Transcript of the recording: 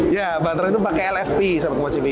ya baterainya itu pakai lfp sivy